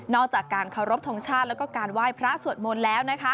จากการเคารพทงชาติแล้วก็การไหว้พระสวดมนต์แล้ว